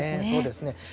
そうですね。